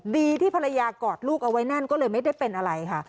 ดีที่ภรรยากอดลูกเอาไว้แน่นก็เลยไม่ได้เป็นอะไรค่ะ